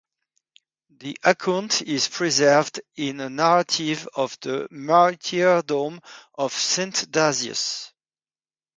The account is preserved in a narrative of the martyrdom of St. Dasius.